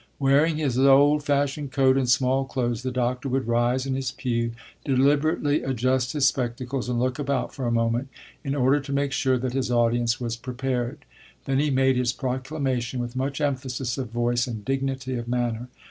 Wearing his old fashioned coat and small clothes, the doctor would rise in his pew, deliberately adjust his spectacles, and look about for a moment, in order to make sure that his audience was prepared; then he made his proclamation with much emphasis of voice and dignity of manner.